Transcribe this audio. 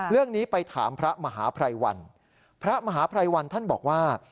เรื่องนี้ไปถามพระมหาภัยวันพระมหาภัยวันท่านบอกว่า